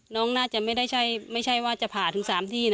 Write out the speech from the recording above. น้องน่าจะไม่ใช่ว่าจะผ่าถึง๓ที่นะ